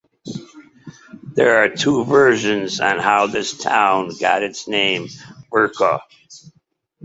There are two versions on how this town got its name as "Bucay".